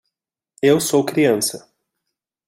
Eu sou criança